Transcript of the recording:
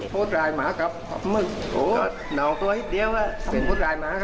โพสรายหมาครับโอ้โหนอกตัวเห็นเดียวโพสรายหมาครับ